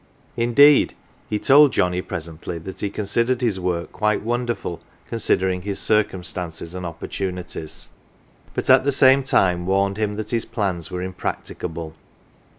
Indeed, he told Johnnie presently that he considered his work quite wonderful, considering his circumstances and opportunities, but at the same time warned him that his plans were impracticable.